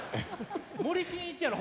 森進一やろ！